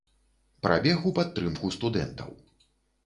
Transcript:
Прабег у падтрымку студэнтаў.